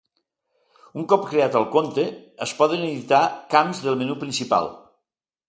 Un cop creat el compte, es poden editar camps del menú principal.